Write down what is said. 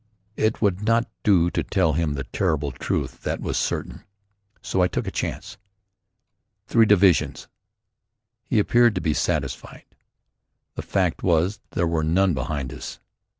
It would not do to tell him the terrible truth. That was certain. So I took a chance. "Three divisions." He appeared to be satisfied. The fact was, there were none behind us.